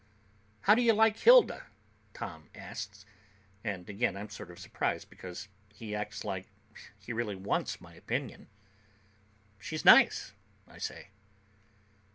"How do you like Hilda?" Tom asks, and again I'm sort of surprised, because he acts like he really wants my opinion. "She's nice," I say.